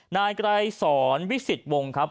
นายไกรสอนวิสิตวงศ์ครับ